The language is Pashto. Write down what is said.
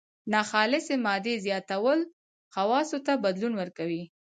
ناخالصې مادې زیاتول خواصو ته بدلون ورکوي.